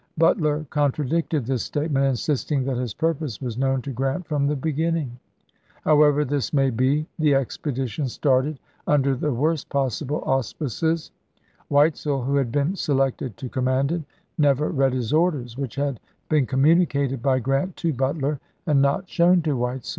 Butler contradicted this statement, insisting that his purpose was known to Grant from the beginning. However this may pp. io,'ii. be, the expedition started under the worst pos sible auspices. Weitzel, who had been selected to command it, never read his orders, which had been communicated by Grant to Butler, and not shown to Weitzel.